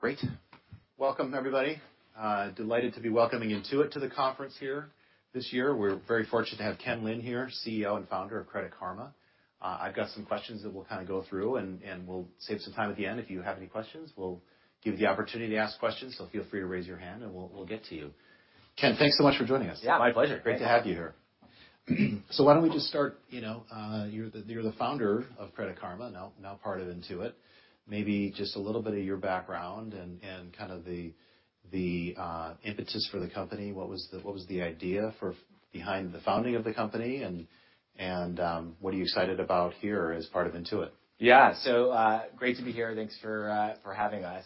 Great. Welcome, everybody. Delighted to be welcoming Intuit to the conference here this year. We're very fortunate to have Kenneth Lin here, CEO and Founder of Credit Karma. I've got some questions that we'll kinda go through, and we'll save some time at the end. If you have any questions, we'll give you the opportunity to ask questions. Feel free to raise your hand, and we'll get to you. Ken, thanks so much for joining us. Yeah, my pleasure. Great to have you here. Why don't we just start, you know, you're the Founder of Credit Karma, now part of Intuit. Maybe just a little bit of your background and kind of the impetus for the company. What was the idea behind the founding of the company and what are you excited about here as part of Intuit? Yeah. Great to be here. Thanks for having us.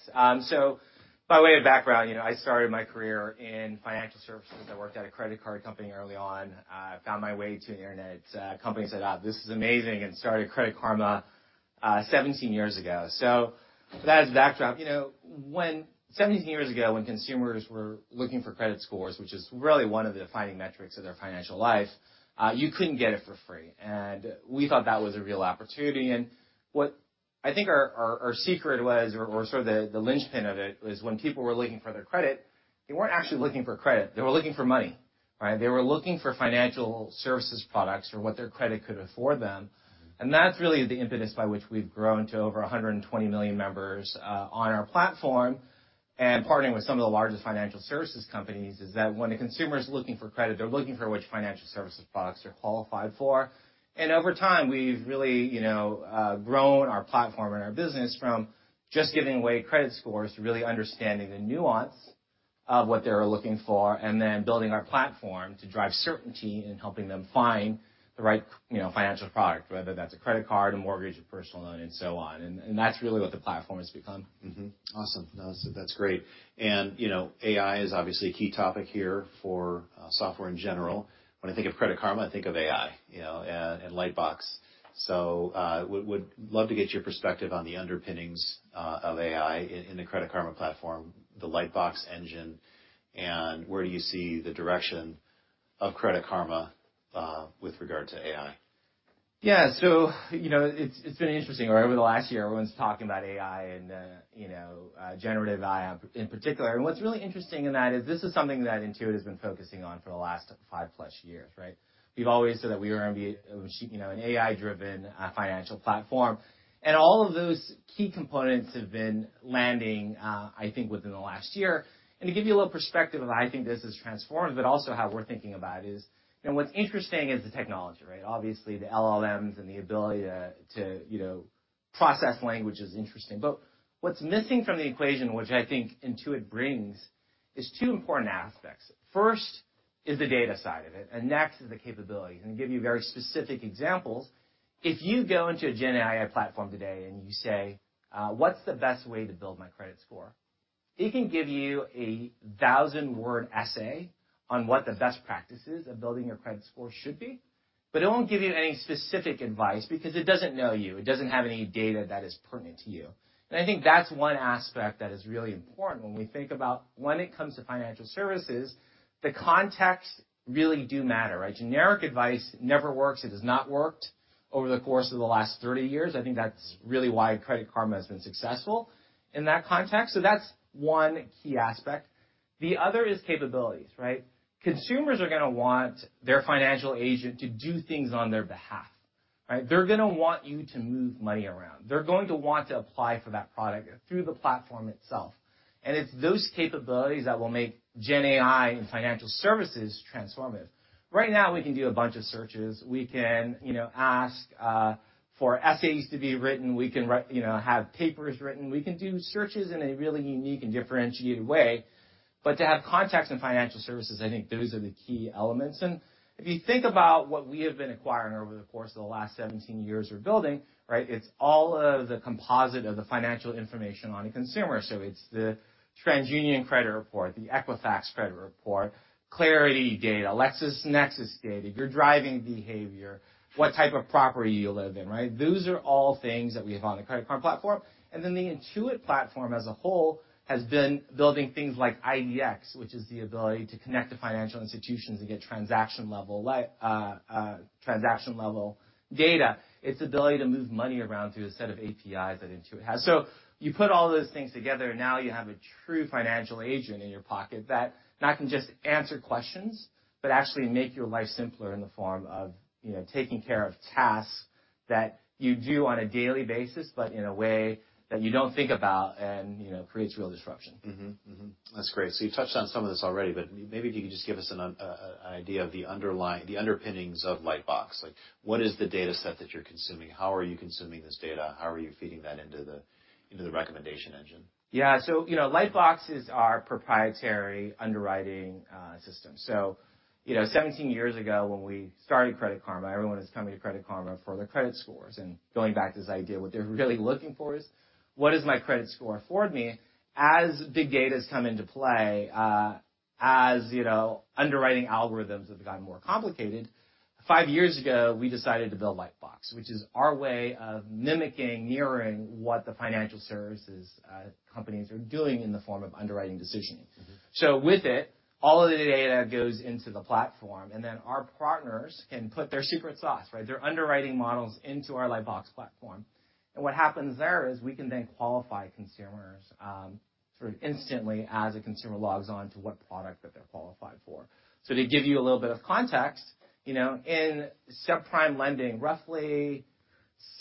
By way of background, you know, I started my career in financial services. I worked at a credit card company early on. I found my way to the internet. company said, "This is amazing," and started Credit Karma 17 years ago. That as a backdrop, you know, 17 years ago, when consumers were looking for credit scores, which is really one of the defining metrics of their financial life, you couldn't get it for free, and we thought that was a real opportunity. What I think our, our secret was, or sort of the linchpin of it, was when people were looking for their credit, they weren't actually looking for credit, they were looking for money, right? They were looking for financial services products or what their credit could afford them. That's really the impetus by which we've grown to over 120 million members on our platform, and partnering with some of the largest financial services companies, is that when a consumer is looking for credit, they're looking for which financial services products they're qualified for. Over time, we've really, you know, grown our platform and our business from just giving away credit scores to really understanding the nuance of what they're looking for, and then building our platform to drive certainty in helping them find the right, you know, financial product, whether that's a credit card, a mortgage, a personal loan, and so on. That's really what the platform has become. Awesome. That's great. You know, AI is obviously a key topic here for software in general. When I think of Credit Karma, I think of AI, you know, and Lightbox. Would love to get your perspective on the underpinnings of AI in the Credit Karma platform, the Lightbox engine, and where do you see the direction of Credit Karma with regard to AI? You know, it's been interesting, over the last year, everyone's talking about AI and, you know, Generative AI in particular. What's really interesting in that is this is something that Intuit has been focusing on for the last 5+ years, right? We've always said that we are going to be a, you know, an AI-driven, financial platform, and all of those key components have been landing, I think, within the last year. To give you a little perspective of how I think this has transformed, but also how we're thinking about it is, you know, what's interesting is the technology, right? Obviously, the LLMs and the ability to, you know, process language is interesting, but what's missing from the equation, which I think Intuit brings, is two important aspects. First, is the data side of it. Next is the capabilities. To give you very specific examples, if you go into a Gen AI platform today, and you say, "What's the best way to build my credit score?" It can give you a 1,000-word essay on what the best practices of building your credit score should be, but it won't give you any specific advice because it doesn't know you. It doesn't have any data that is pertinent to you. I think that's one aspect that is really important when we think about when it comes to financial services, the context really do matter, right? Generic advice never works. It has not worked over the course of the last 30 years. I think that's really why Credit Karma has been successful in that context. That's one key aspect. The other is capabilities, right? Consumers are gonna want their financial agent to do things on their behalf, right? They're gonna want you to move money around. They're going to want to apply for that product through the platform itself. It's those capabilities that will make Gen AI and financial services transformative. Right now, we can do a bunch of searches. We can, you know, ask for essays to be written. You know, have papers written. We can do searches in a really unique and differentiated way, but to have contacts in financial services, I think those are the key elements. If you think about what we have been acquiring over the course of the last 17 years, or building, right, it's all of the composite of the financial information on a consumer. It's the TransUnion Credit Report, the Equifax Credit Report, Clarity data, LexisNexis data, your driving behavior, what type of property you live in, right? Those are all things that we have on the Credit Karma platform. The Intuit platform, as a whole, has been building things like IDX, which is the ability to connect to financial institutions and get transaction-level data. It's ability to move money around through a set of APIs that Intuit has. You put all those things together, and now you have a true financial agent in your pocket that not can just answer questions, but actually make your life simpler in the form of, you know, taking care of tasks that you do on a daily basis, but in a way that you don't think about and, you know, creates real disruption. Mm-hmm. Mm-hmm. That's great. You've touched on some of this already, but maybe if you could just give us an idea of the underpinnings of Lightbox. Like, what is the data set that you're consuming? How are you consuming this data? How are you feeding that into the recommendation engine? Lightbox is our proprietary underwriting system. 17 years ago, when we started Credit Karma, everyone was coming to Credit Karma for their credit scores, and going back to this idea, what they're really looking for is: What does my credit score afford me? As big data's come into play, as you know, underwriting algorithms have gotten more complicated. 5 years ago, we decided to build Lightbox, which is our way of mimicking, mirroring what the financial services companies are doing in the form of underwriting decisioning. Mm-hmm. With it, all of the data goes into the platform, and then our partners can put their secret sauce, right, their underwriting models into our Lightbox platform. What happens there is we can then qualify consumers, sort of instantly as a consumer logs on to what product that they're qualified for. To give you a little bit of context, you know, in subprime lending, roughly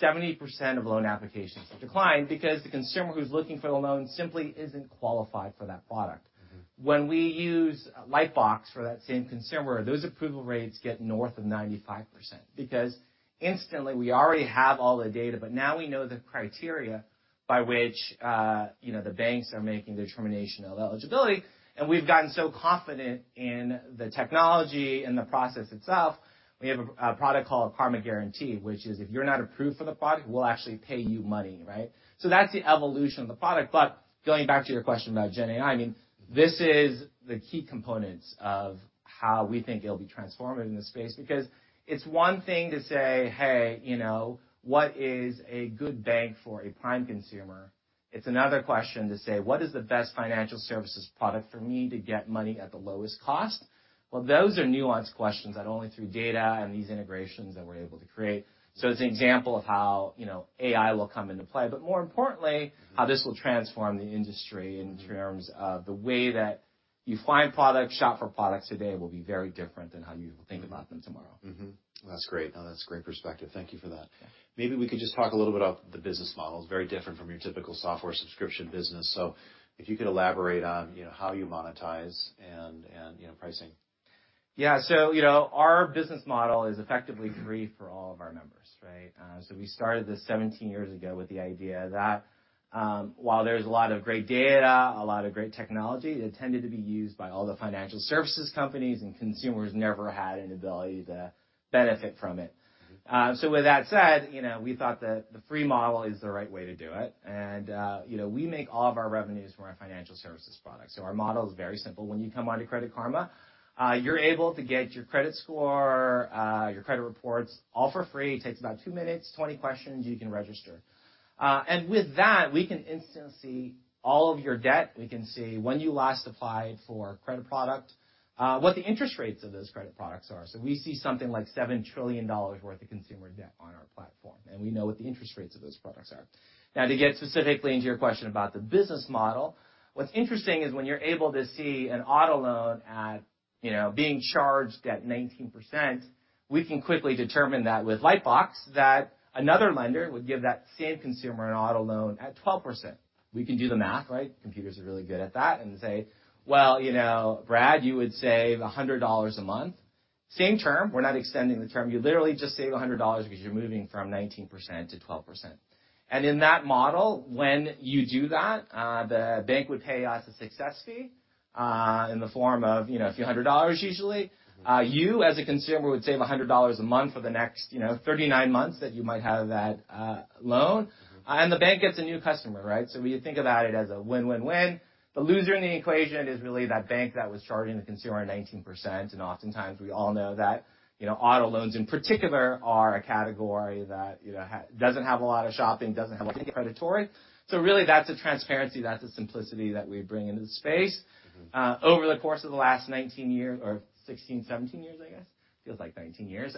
70% of loan applications are declined because the consumer who's looking for the loan simply isn't qualified for that product. Mm-hmm. When we use Lightbox for that same consumer, those approval rates get north of 95%, because instantly, we already have all the data, now we know the criteria by which, you know, the banks are making determination of eligibility. We've gotten so confident in the technology and the process itself, we have a product called Karma Guarantee, which is if you're not approved for the product, we'll actually pay you money, right? That's the evolution of the product. Going back to your question about Gen AI, I mean, this is the key components of how we think it'll be transformative in this space, because it's one thing to say, "Hey, you know, what is a good bank for a prime consumer?" It's another question to say: What is the best financial services product for me to get money at the lowest cost? Those are nuanced questions that only through data and these integrations that we're able to create. It's an example of how, you know, AI will come into play, but more importantly. Mm-hmm. how this will transform the industry in terms of the way that you find products, shop for products today, will be very different than how you think about them tomorrow. That's great. No, that's a great perspective. Thank you for that. Yeah. Maybe we could just talk a little bit about the business model. It's very different from your typical software subscription business. If you could elaborate on, you know, how you monetize and, you know, pricing. Yeah. You know, our business model is effectively free for all of our members, right? We started this 17 years ago with the idea that, while there's a lot of great data, a lot of great technology, it tended to be used by all the financial services companies, and consumers never had an ability to benefit from it. Mm-hmm. With that said, you know, we thought that the free model is the right way to do it. You know, we make all of our revenues from our financial services products. Our model is very simple. When you come onto Credit Karma, you're able to get your credit score, your credit reports, all for free. It takes about two minutes, 20 questions, you can register. With that, we can instantly see all of your debt. We can see when you last applied for a credit product, what the interest rates of those credit products are. We see something like $7 trillion worth of consumer debt on our platform, and we know what the interest rates of those products are. Now, to get specifically into your question about the business model, what's interesting is when you're able to see an auto loan at, you know, being charged at 19%, we can quickly determine that with Lightbox, that another lender would give that same consumer an auto loan at 12%. We can do the math, right? Computers are really good at that and say, "Well, you know, Brad, you would save $100 a month." Same term, we're not extending the term. You literally just save $100 because you're moving from 19% to 12%. In that model, when you do that, the bank would pay us a success fee, in the form of, you know, a few hundred dollars, usually. You, as a consumer, would save $100 a month for the next, you know, 39 months that you might have that loan. Mm-hmm. The bank gets a new customer, right? We think about it as a win-win-win. The loser in the equation is really that bank that was charging the consumer 19%. Oftentimes, we all know that, you know, auto loans, in particular, are a category that, you know, doesn't have a lot of shopping, doesn't have a lot of predatory. Really, that's the transparency, that's the simplicity that we bring into the space. Mm-hmm. over the course of the last 19 years or 16, 17 years, I guess, feels like 19 years.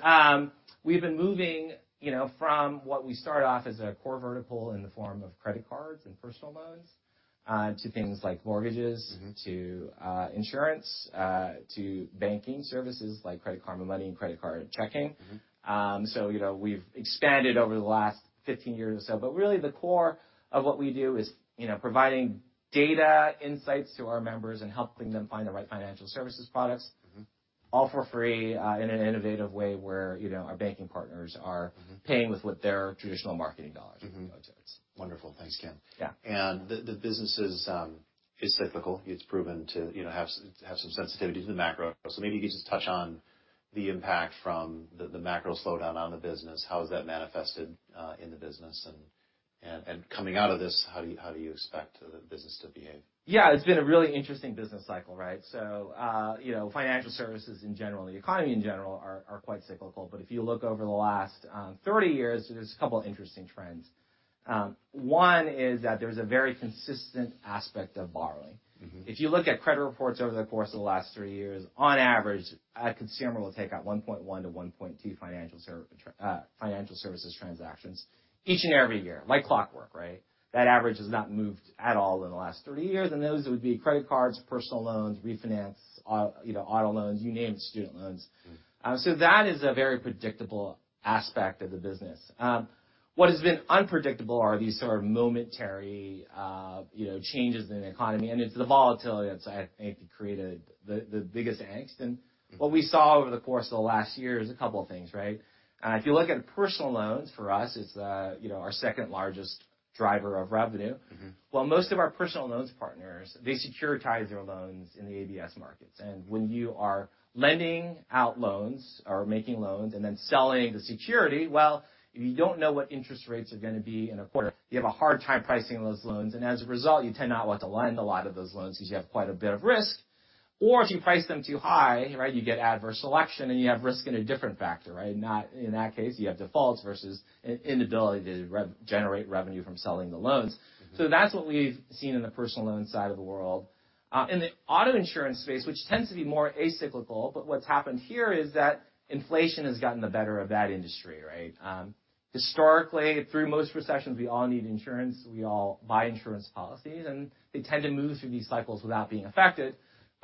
We've been moving, you know, from what we started off as a core vertical in the form of credit cards and personal loans, to things like mortgages... Mm-hmm. -to insurance, to banking services like Credit Karma Money and credit card and checking. Mm-hmm. You know, we've expanded over the last 15 years or so. Really, the core of what we do is, you know, providing data insights to our members and helping them find the right financial services products. Mm-hmm. -all for free, in an innovative way where, you know, our banking partners are- Mm-hmm. -paying with what their traditional marketing dollars- Mm-hmm. Would go to. Wonderful. Thanks, Ken. Yeah. The business is cyclical. It's proven to, you know, have some sensitivities in the macro. Maybe you could just touch on the impact from the macro slowdown on the business. How has that manifested in the business? Coming out of this, how do you expect the business to behave? Yeah, it's been a really interesting business cycle, right? You know, financial services in general, the economy in general, are quite cyclical. If you look over the last 30 years, there's a couple of interesting trends. One is that there's a very consistent aspect of borrowing. Mm-hmm. If you look at credit reports over the course of the last three years, on average, a consumer will take out 1.1-1.2 financial services transactions each and every year, like clockwork, right? That average has not moved at all in the last 30 years. Those would be credit cards, personal loans, refinance, you know, auto loans, you name it, student loans. Mm. That is a very predictable aspect of the business. What has been unpredictable are these sort of momentary, you know, changes in the economy, and it's the volatility that's, I think, created the biggest angst. Mm. What we saw over the course of the last year is a couple of things, right? If you look at personal loans, for us, it's the, you know, our second largest driver of revenue. Mm-hmm. Well, most of our personal loans partners, they securitize their loans in the ABS markets. When you are lending out loans or making loans and then selling the security, well, if you don't know what interest rates are going to be in a quarter, you have a hard time pricing those loans, and as a result, you tend not want to lend a lot of those loans because you have quite a bit of risk. If you price them too high, right, you get adverse selection, and you have risk in a different factor, right? Not, in that case, you have defaults versus inability to generate revenue from selling the loans. Mm-hmm. That's what we've seen in the personal loan side of the world. In the auto insurance space, which tends to be more acyclical, but what's happened here is that inflation has gotten the better of that industry, right? Historically, through most recessions, we all need insurance, we all buy insurance policies, and they tend to move through these cycles without being affected.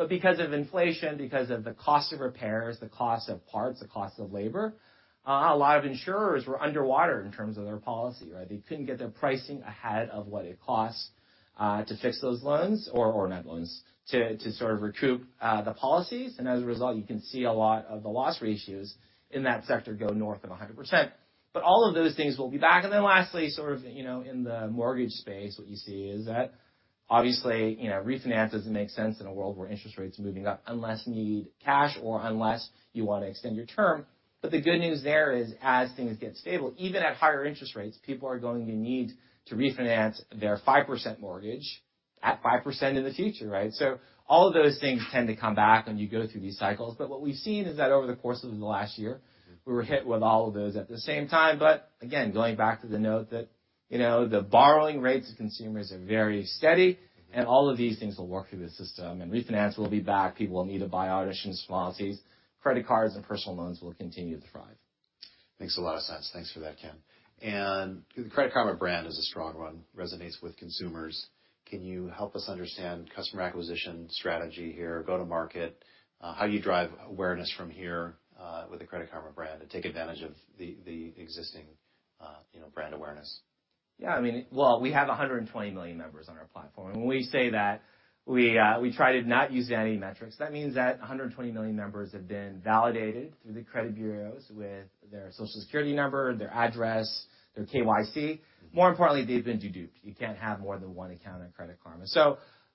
Because of inflation, because of the cost of repairs, the cost of parts, the cost of labor, a lot of insurers were underwater in terms of their policy, right? They couldn't get their pricing ahead of what it costs to fix those loans or not loans, to sort of recoup the policies. As a result, you can see a lot of the loss ratios in that sector go north of 100%. All of those things will be back. Then lastly, sort of, you know, in the mortgage space, what you see is that obviously, you know, refinance doesn't make sense in a world where interest rates are moving up unless you need cash or unless you want to extend your term. The good news there is, as things get stable, even at higher interest rates, people are going to need to refinance their 5% mortgage at 5% in the future, right? All of those things tend to come back when you go through these cycles. What we've seen is that over the course of the last year- Mm-hmm. We were hit with all of those at the same time. Again, going back to the note that, you know, the borrowing rates of consumers are very steady... Mm-hmm. All of these things will work through the system, and refinance will be back. People will need to buy auto insurance policies, credit cards and personal loans will continue to thrive. Makes a lot of sense. Thanks for that, Ken. The Credit Karma brand is a strong one, resonates with consumers. Can you help us understand customer acquisition strategy here, go-to-market, how you drive awareness from here with the Credit Karma brand, and take advantage of the existing, you know, brand awareness? I mean, well, we have 120 million members on our platform. When we say that, we try to not use any metrics. That means that 120 million members have been validated through the credit bureaus with their Social Security number, their address, their KYC. Mm-hmm. More importantly, they've been deduped. You can't have more than one account on Credit Karma.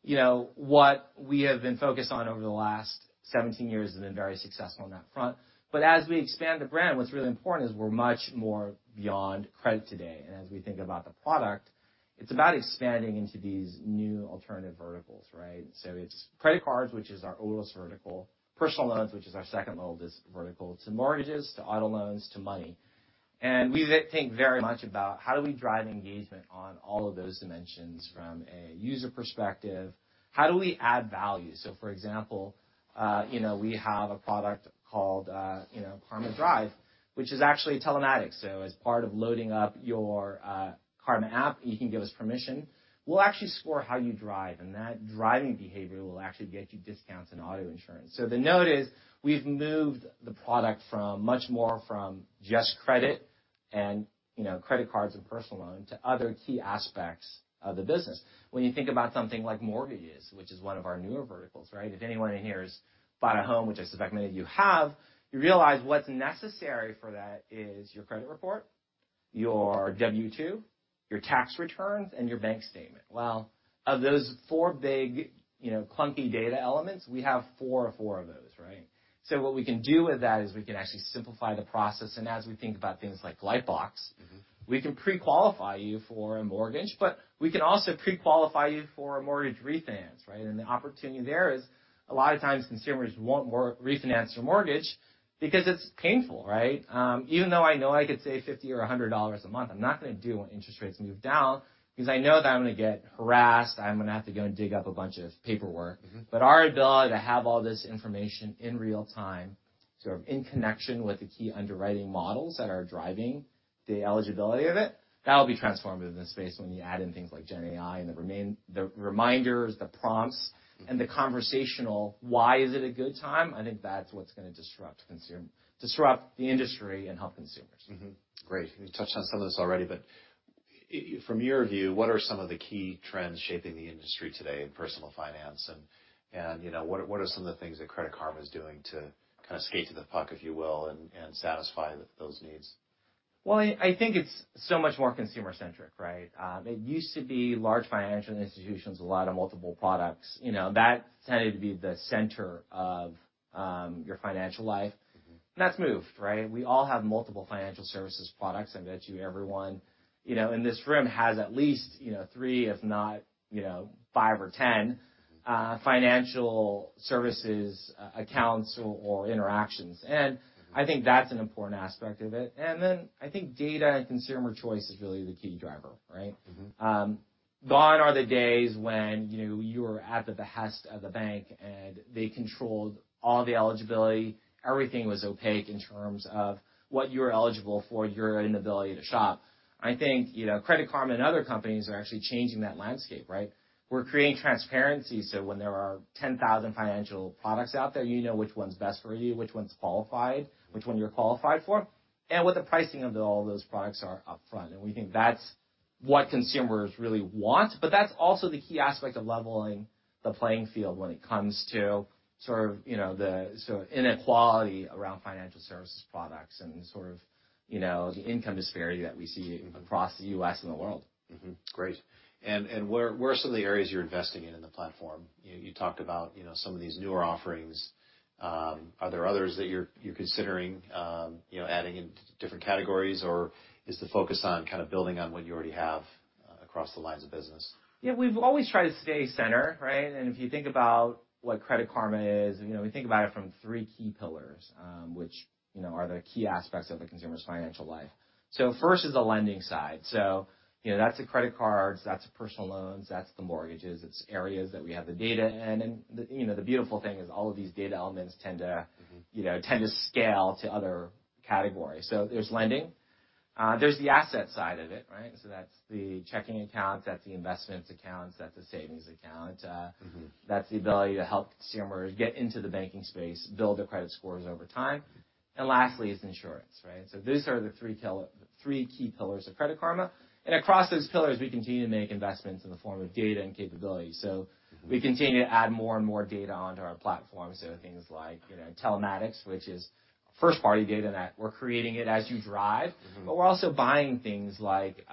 You know, what we have been focused on over the last 17 years has been very successful on that front. As we expand the brand, what's really important is we're much more beyond credit today. As we think about the product, it's about expanding into these new alternative verticals, right? It's credit cards, which is our oldest vertical, personal loans, which is our second oldest vertical, to mortgages, to auto loans, to money. We think very much about how do we drive engagement on all of those dimensions from a user perspective? How do we add value? For example, you know, we have a product called, you know, Karma Drive, which is actually telematics. As part of loading up your Karma app, you can give us permission. We'll actually score how you drive, and that driving behavior will actually get you discounts on auto insurance. The note is, we've moved the product from much more from just credit and, you know, credit cards and personal loans to other key aspects of the business. When you think about something like mortgages, which is one of our newer verticals, right? If anyone in here has bought a home, which I suspect many of you have, you realize what's necessary for that is your credit report, your W-2, your tax returns, and your bank statement. Well, of those 4 big, you know, clunky data elements, we have 4 of 4 of those, right? What we can do with that is we can actually simplify the process, and as we think about things like Lightbox. Mm-hmm. We can pre-qualify you for a mortgage, but we can also pre-qualify you for a mortgage refinance, right? The opportunity there is, a lot of times consumers won't refinance their mortgage because it's painful, right? Even though I know I could save $50 or $100 a month, I'm not going to do it when interest rates move down, because I know that I'm going to get harassed, I'm going to have to go and dig up a bunch of paperwork. Mm-hmm. Our ability to have all this information in real time, sort of in connection with the key underwriting models that are driving the eligibility of it, that will be transformative in the space when you add in things like GenAI and the reminders, the prompts. Mm-hmm. the conversational, why is it a good time? I think that's what's going to disrupt the industry and help consumers. Mm-hmm. Great. You touched on some of this already, but from your view, what are some of the key trends shaping the industry today in personal finance? You know, what are some of the things that Credit Karma is doing to kind of skate to the puck, if you will, and satisfy those needs? Well, I think it's so much more consumer-centric, right? It used to be large financial institutions, a lot of multiple products. You know, that tended to be the center of your financial life. Mm-hmm. That's moved, right? We all have multiple financial services products. I bet you everyone, you know, in this room has at least you know, 3, if not, you know, 5 or 10 financial services accounts or interactions. Mm-hmm. I think that's an important aspect of it. Then I think data and consumer choice is really the key driver, right? Mm-hmm. Gone are the days when, you know, you were at the behest of the bank. They controlled all the eligibility. Everything was opaque in terms of what you were eligible for, your inability to shop. I think, you know, Credit Karma and other companies are actually changing that landscape, right? We're creating transparency, so when there are 10,000 financial products out there, you know which one's best for you, which one's qualified, which one you're qualified for, and what the pricing of all those products are upfront. We think that's what consumers really want. That's also the key aspect of leveling the playing field when it comes to sort of, you know, the sort of inequality around financial services products and sort of, you know, the income disparity that we see. Mm-hmm. across the U.S. and the world. Great. Where are some of the areas you're investing in the platform? You talked about, you know, some of these newer offerings. Are there others that you're considering, you know, adding in different categories, or is the focus on kind of building on what you already have across the lines of business? Yeah, we've always tried to stay center, right? If you think about what Credit Karma is, you know, we think about it from three key pillars, which, you know, are the key aspects of the consumer's financial life. First is the lending side. you know, that's the credit cards, that's the personal loans, that's the mortgages, it's areas that we have the data in, and, you know, the beautiful thing is all of these data elements tend. Mm-hmm. you know, tend to scale to other categories. There's lending. There's the asset side of it, right? That's the checking accounts, that's the investments accounts, that's the savings account. Mm-hmm. that's the ability to help consumers get into the banking space, build their credit scores over time. Lastly, is insurance, right? Those are the three key pillars of Credit Karma, and across those pillars, we continue to make investments in the form of data and capability. Mm-hmm. We continue to add more and more data onto our platform. Things like, you know, telematics, which is first-party data, that we're creating it as you drive. Mm-hmm. We're also buying things like,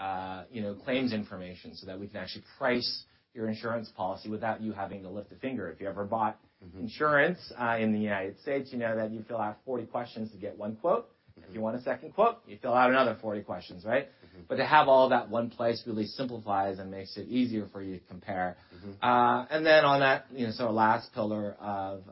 you know, claims information, so that we can actually price your insurance policy without you having to lift a finger. Mm-hmm. -insurance, in the United States, you know, that you fill out 40 questions to get 1 quote. Mm-hmm. If you want a second quote, you fill out another 40 questions, right? Mm-hmm. To have all of that in one place really simplifies and makes it easier for you to compare. Mm-hmm. Then on that, you know, last pillar of,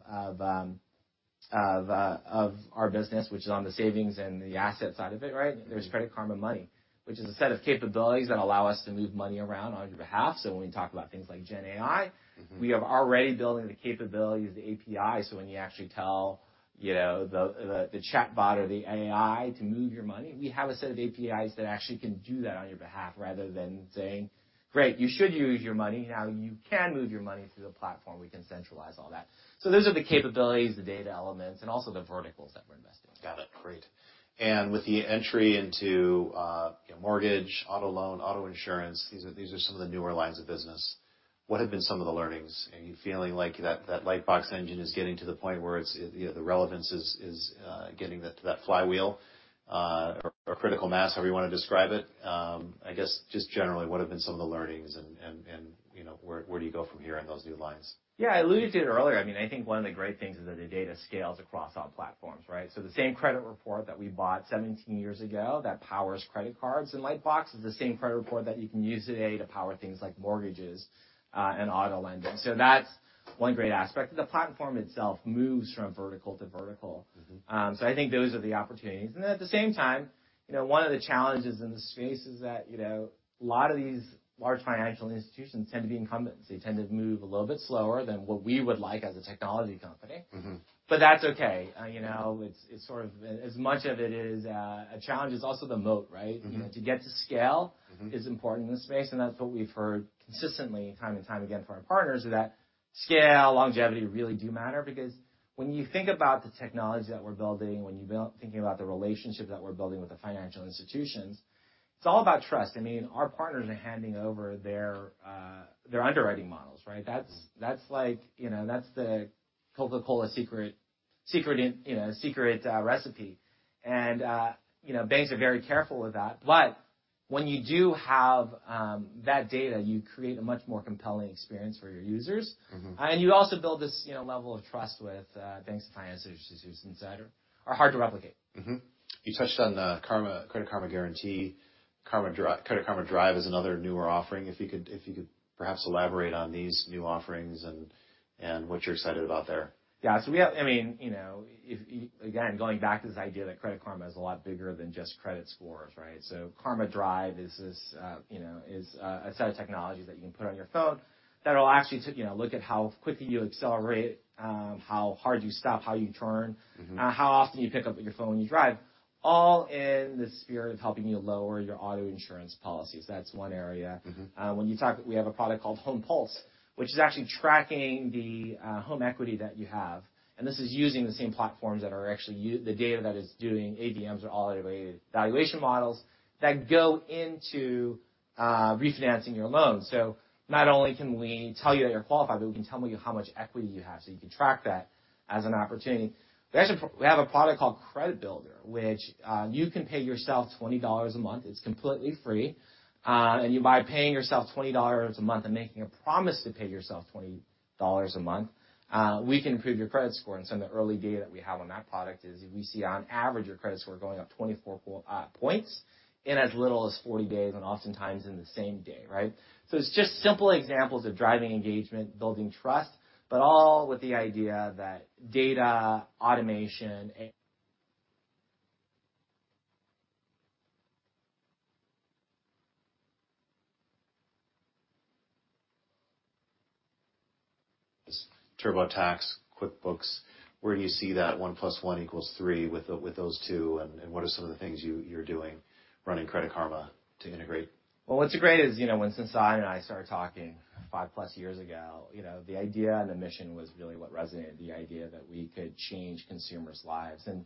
of our business, which is on the savings and the asset side of it, right? There's Credit Karma Money, which is a set of capabilities that allow us to move money around on your behalf. When we talk about things like Gen AI. Mm-hmm. we have already building the capabilities, the API, so when you actually tell, you know, the chatbot or the AI to move your money, we have a set of APIs that actually can do that on your behalf, rather than saying: "Great, you should use your money. Now, you can move your money through the platform," we can centralize all that. Those are the capabilities, the data elements, and also the verticals that we're investing in. Got it. Great. With the entry into, you know, mortgage, auto loan, auto insurance, these are some of the newer lines of business. What have been some of the learnings? Are you feeling like that Lightbox engine is getting to the point where it's, you know, the relevance is getting to that flywheel or critical mass, however you want to describe it? I guess, just generally, what have been some of the learnings and, you know, where do you go from here on those new lines? Yeah, I alluded to it earlier. I mean, I think one of the great things is that the data scales across all platforms, right? The same credit report that we bought 17 years ago, that powers credit cards in Lightbox, is the same credit report that you can use today to power things like mortgages and auto lending. That's one great aspect. The platform itself moves from vertical to vertical. Mm-hmm. I think those are the opportunities. At the same time, you know, one of the challenges in the space is that, you know, a lot of these large financial institutions tend to be incumbents. They tend to move a little bit slower than what we would like as a technology company. Mm-hmm. That's okay. you know, it's sort of as much of it is, a challenge, is also the moat, right? Mm-hmm. You know, to get to scale... Mm-hmm. is important in this space, and that's what we've heard consistently, time and time again, from our partners, is that scale, longevity really do matter because when you think about the technology that we're building, thinking about the relationship that we're building with the financial institutions, it's all about trust. I mean, our partners are handing over their underwriting models, right? Mm-hmm. That's like, you know, that's the Coca-Cola secret recipe. You know, banks are very careful with that. When you do have that data, you create a much more compelling experience for your users. Mm-hmm. You also build this, you know, level of trust with, banks and financial institutions that are hard to replicate. You touched on the Credit Karma Guarantee, Credit Karma Drive is another newer offering. If you could perhaps elaborate on these new offerings and what you're excited about there? Yeah. We have I mean, you know, if you again, going back to this idea that Credit Karma is a lot bigger than just credit scores, right? Karma Drive is this, you know, is a set of technologies that you can put on your phone that will actually you know, look at how quickly you accelerate, how hard you stop, how you turn... Mm-hmm. How often you pick up your phone when you drive, all in the spirit of helping you lower your auto insurance policies. That's one area. Mm-hmm. When you talk, we have a product called Home Pulse, which is actually tracking the home equity that you have. This is using the same platforms that are actually the data that is doing AVMs or automated valuation models, that go into refinancing your loan. Not only can we tell you that you're qualified, but we can tell you how much equity you have, so you can track that as an opportunity. We have a product called Credit Builder, which you can pay yourself $20 a month. It's completely free. You by paying yourself $20 a month and making a promise to pay yourself $20 a month, we can improve your credit score. Some of the early data that we have on that product is we see, on average, your credit score going up 24 points in as little as 40 days, and oftentimes in the same day, right? It's just simple examples of driving engagement, building trust, but all with the idea that data, automation. TurboTax, QuickBooks, where do you see that one plus one equals three with those two, and what are some of the things you're doing running Credit Karma to integrate? Well, what's great is, you know, when Sasan and I started talking 5+ years ago, you know, the idea and the mission was really what resonated. The idea that we could change consumers' lives, and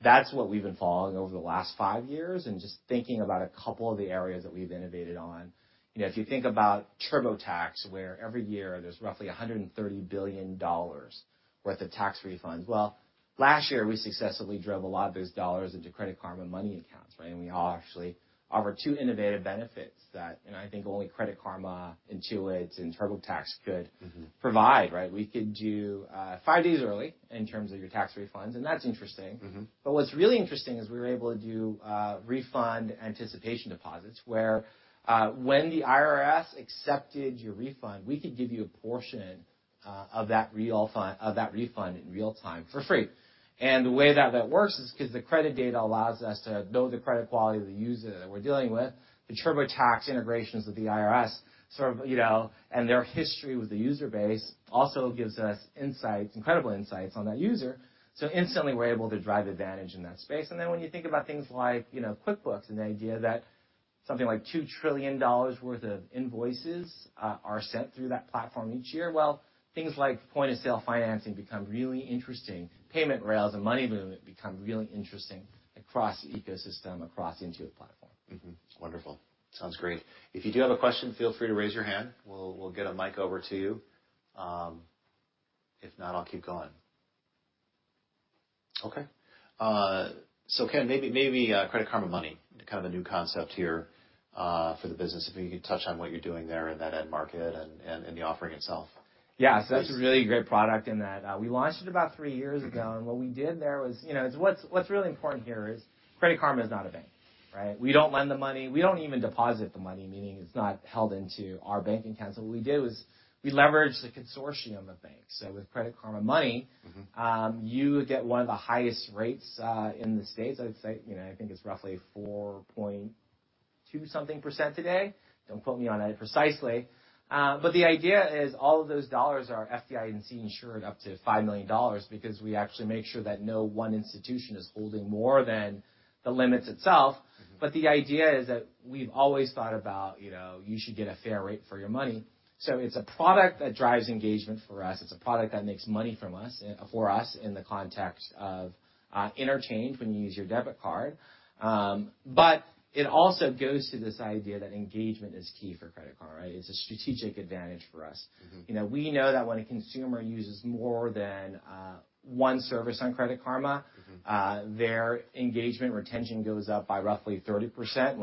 that's what we've been following over the last 5 years, and just thinking about a couple of the areas that we've innovated on. You know, if you think about TurboTax, where every year there's roughly $130 billion worth of tax refunds. Last year, we successfully drove a lot of those dollars into Credit Karma Money accounts, right? We actually offer 2 innovative benefits that, you know, I think only Credit Karma, Intuit, and TurboTax could. Mm-hmm. -provide, right? We could do, five days early in terms of your tax refunds, and that's interesting. Mm-hmm. What's really interesting is we were able to do refund anticipation deposits, where when the IRS accepted your refund, we could give you a portion of that refund in real time for free. The way that that works is 'cause the credit data allows us to know the credit quality of the user that we're dealing with. The TurboTax integrations with the IRS sort of, you know, and their history with the user base, also gives us insights, incredible insights on that user. Instantly, we're able to drive advantage in that space. Then, when you think about things like, you know, QuickBooks and the idea that something like $2 trillion worth of invoices are sent through that platform each year, well, things like point-of-sale financing become really interesting. Payment rails and money movement become really interesting across the ecosystem, across the Intuit platform. Wonderful. Sounds great. If you do have a question, feel free to raise your hand. We'll get a mic over to you. If not, I'll keep going. Okay. Ken, maybe, Credit Karma Money, kind of a new concept here for the business. If you could touch on what you're doing there in that end market and in the offering itself. Yeah. That's a really great product in that, we launched it about 3 years ago. Mm-hmm. What we did there was... You know, what's really important here is Credit Karma is not a bank, right? We don't lend the money. We don't even deposit the money, meaning it's not held into our bank account. What we do is we leverage the consortium of banks. With Credit Karma Money- Mm-hmm. You get one of the highest rates in the States. I'd say, you know, I think it's roughly 4.2 something% today. Don't quote me on it precisely. The idea is all of those dollars are FDIC insured up to $5 million because we actually make sure that no one institution is holding more than the limits itself. Mm-hmm. The idea is that we've always thought about, you know, you should get a fair rate for your money. It's a product that drives engagement for us. It's a product that makes money from us, for us, in the context of, interchange when you use your debit card. It also goes to this idea that engagement is key for Credit Karma, right? It's a strategic advantage for us. Mm-hmm. You know, we know that when a consumer uses more than one service on Credit Karma. Mm-hmm. Their engagement retention goes up by roughly 30%.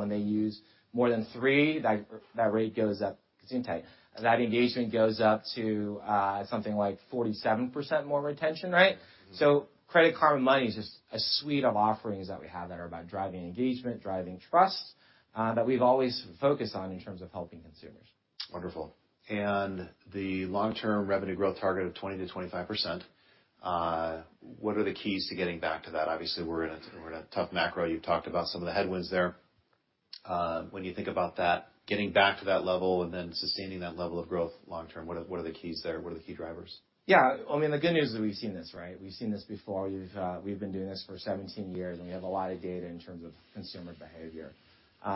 That engagement goes up to something like 47% more retention, right? Mm-hmm. Credit Karma Money is just a suite of offerings that we have that are about driving engagement, driving trust, that we've always focused on in terms of helping consumers. Wonderful. The long-term revenue growth target of 20%-25%, what are the keys to getting back to that? Obviously, we're in a tough macro. You've talked about some of the headwinds there. When you think about that, getting back to that level and then sustaining that level of growth long term, what are the keys there? What are the key drivers? Yeah. I mean, the good news is we've seen this, right? We've seen this before. We've been doing this for 17 years, and we have a lot of data in terms of consumer behavior.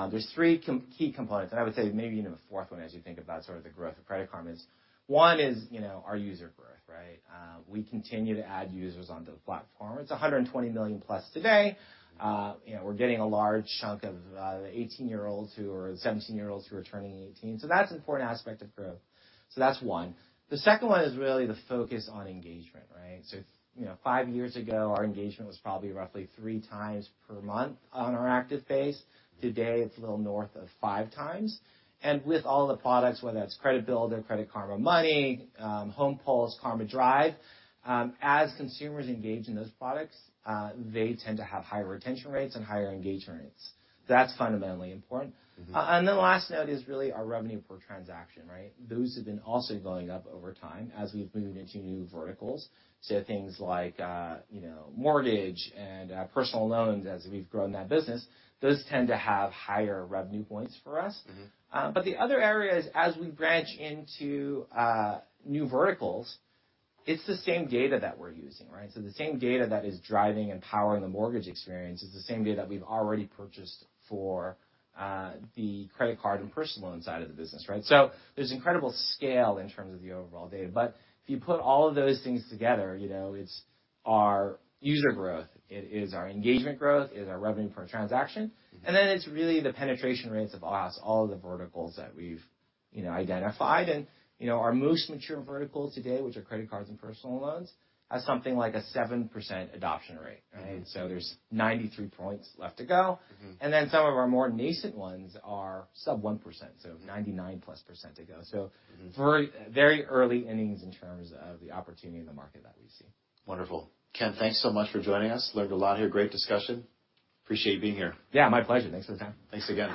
There's three key components, and I would say maybe even a fourth one, as you think about sort of the growth of Credit Karma is, one is, you know, our user growth, right? We continue to add users onto the platform. It's 120 million+ today. You know, we're getting a large chunk of the 17-year-olds who are turning 18. That's an important aspect of growth. That's one. The second one is really the focus on engagement, right? You know, five years ago, our engagement was probably roughly three times per month on our active base. Today, it's a little north of five times. And with all the products, whether that's Credit Builder, Credit Karma Money, Home Pulse, Karma Drive, as consumers engage in those products, they tend to have higher retention rates and higher engagement rates. That's fundamentally important. Mm-hmm. The last note is really our revenue per transaction, right? Those have been also going up over time as we've moved into new verticals. Things like, you know, mortgage and personal loans, as we've grown that business, those tend to have higher revenue points for us. Mm-hmm. The other area is, as we branch into new verticals, it's the same data that we're using, right? The same data that is driving and powering the mortgage experience is the same data that we've already purchased for the credit card and personal loan side of the business, right? There's incredible scale in terms of the overall data, but if you put all of those things together, you know, it's our user growth, it is our engagement growth, it is our revenue per transaction. Mm-hmm. Then it's really the penetration rates of all the verticals that we've, you know, identified. You know, our most mature verticals today, which are credit cards and personal loans, has something like a 7% adoption rate, right? Mm-hmm. There's 93 points left to go. Mm-hmm. Some of our more nascent ones are sub 1%, so 99+% to go. Mm-hmm. Very, very early innings in terms of the opportunity in the market that we see. Wonderful. Ken, thanks so much for joining us. Learned a lot here. Great discussion. Appreciate you being here. Yeah, my pleasure. Thanks for the time. Thanks again.